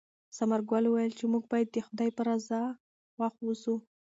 ثمرګل وویل چې موږ باید د خدای په رضا خوښ اوسو.